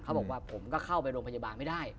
ผมก็บอกว่าเธอเข้าไปโรงพยาบาลไม่ได้